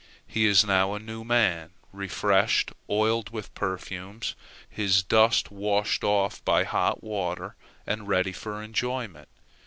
He is now a new man; refreshed, oiled with perfumes, his dust washed off by hot water, and ready for enjoyment.